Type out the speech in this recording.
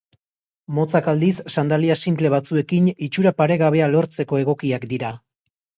Motzak aldiz, sandalia sinple batzuekin itxura paregabea lortzeko egokiak dira.